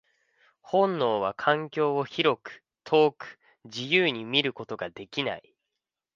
本能は環境を広く、遠く、自由に見ることができない。